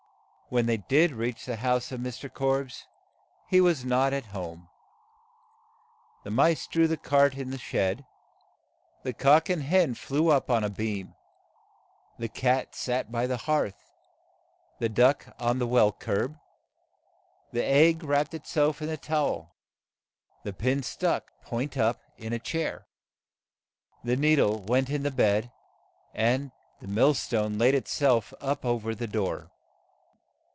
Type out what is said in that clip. When they did reach the house of Mr. Korbes he was not at home. The mice drew the cart in the shed ; the cock and hen flew up on a beam ; the cat sat by the hearth ; the duck on the well curb ; the egg wrapped it self in the tow el ; the pin stuck, point up, in a chair ; the nee dle went in the bed ; and the mill stone laid it self up o ver the door.